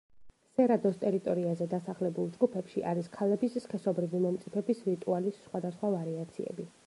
სერადოს ტერიტორიაზე დასახლებულ ჯგუფებში არის ქალების სქესობრივი მომწიფების რიტუალის სხვადასხვა ვარიაციები.